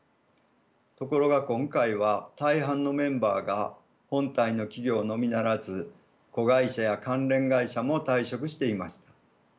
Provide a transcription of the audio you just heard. ところが今回は大半のメンバーが本体の企業のみならず子会社や関連会社も退職していました。